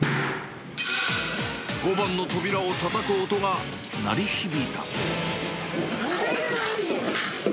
交番の扉をたたく音が鳴り響いた。